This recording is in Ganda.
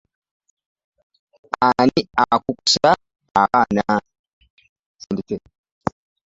Ani akukusa abaana?